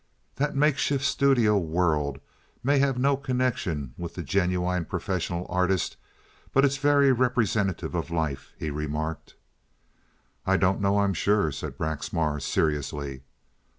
"That makeshift studio world may have no connection with the genuine professional artist, but it's very representative of life," he remarked. "I don't know, I'm sure," said Braxmar, seriously.